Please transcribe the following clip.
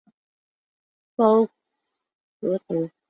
鲍戈德。